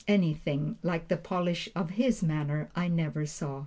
Anything like the polish of his manner I never saw.